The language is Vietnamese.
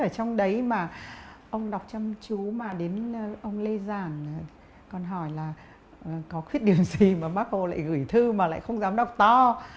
ở trong đấy mà ông đọc chăm chú mà đến ông lê giảng còn hỏi là có khuyết điểm gì mà bác hồ lại gửi thư mà lại không dám đọc to